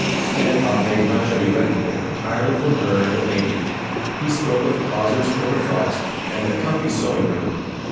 Kennicott made much of erecting it entirely for her and the baby. He spoke of closets for her frocks, and "a comfy sewing room."